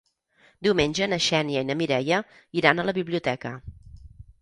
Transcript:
Diumenge na Xènia i na Mireia iran a la biblioteca.